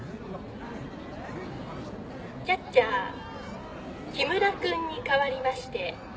キャッチャー木村君に代わりまして高木君